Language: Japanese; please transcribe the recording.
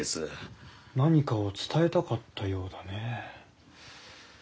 何かを伝えたかったようだねえ。